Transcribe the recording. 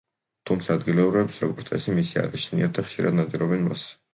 თუმცა ადგილობრივებს, როგორც წესი, მისი არ ეშინიათ და ხშირად ნადირობენ მასზე.